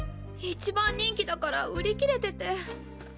一番人気だから売り切れてて。